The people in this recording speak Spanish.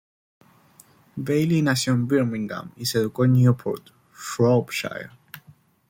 Bayley nació en Birmingham y se educó en Newport, Shropshire.